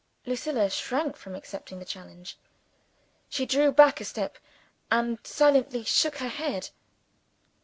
Lucilla shrank from accepting the challenge. She drew back a step, and silently shook her head.